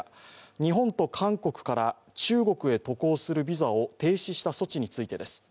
日本と韓国から中国へ渡航するビザを停止した措置についてです。